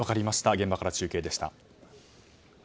現場から中継でした。